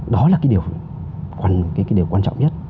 đó là cái điều quan trọng nhất